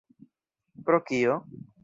Pro kio?